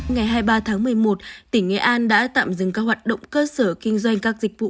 ngày hai mươi ba tháng một mươi một tỉnh nghệ an đã tạm dừng các hoạt động cơ sở kinh doanh các dịch vụ